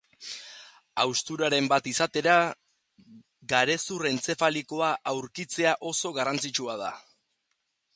Hausturaren bat izatera, garezur-entzefalikoa aurkitzea oso garrantzitsua da.